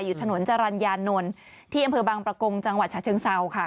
อยู่ถนนจรรยานนท์ที่อำเภอบางประกงจังหวัดฉะเชิงเซาค่ะ